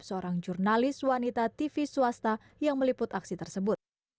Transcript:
seorang jurnalis wanita tv swasta yang meliput aksi tersebut